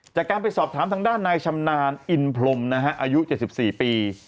จากการไปสอบถามทางด้านนายชำนาญอินพรมนะฮะอายุ๗๔ปี